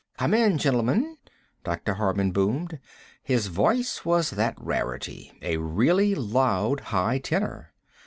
"Come in, gentlemen," Dr. Harman boomed. His voice was that rarity, a really loud high tenor.